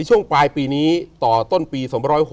ช่วงปลายปีนี้ต่อต้นปี๒๖๖